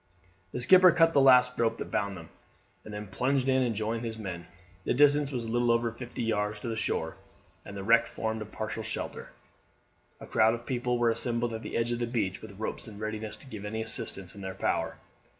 The skipper cut the last rope that bound them, and then plunged in and joined his men. The distance was little over fifty yards to the shore, and the wreck formed a partial shelter. A crowd of people were assembled at the edge of the beach with ropes in readiness to give any assistance in their power.